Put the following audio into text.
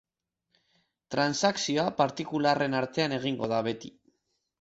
Transakzioa partikularren artean egingo da beti.